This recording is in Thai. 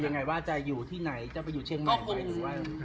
อย่างไรว่าจะอยู่ที่ไหนจะไปอยู่เชียงแหม